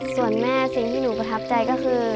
ส่วนแม่สิ่งที่หนูประทับใจก็คือ